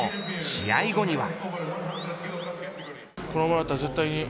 試合後には。